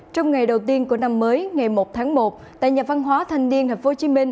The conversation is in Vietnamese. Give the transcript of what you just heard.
trong ngày đầu tiên của năm mới ngày một tháng một tại nhà văn hóa thanh niên tp hcm